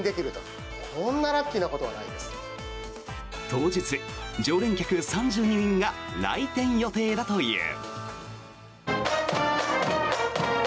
当日、常連客３２人が来店予定だという。